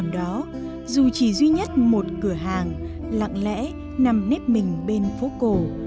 đó dù chỉ duy nhất một cửa hàng lặng lẽ nằm nếp mình bên phố cổ